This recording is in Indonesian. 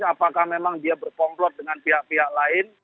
apakah memang dia berkomplot dengan pihak pihak lain